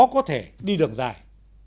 có thể đi đường dài